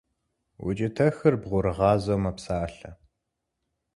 Укӏытэхыр бгъурыгъазэу мэпсалъэ.